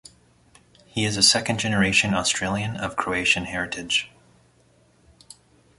He is a second generation Australian of Croatian heritage.